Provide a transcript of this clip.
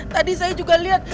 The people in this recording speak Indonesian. tadi saya juga liat